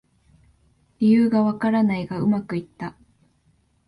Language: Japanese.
理由がわからないがうまくいった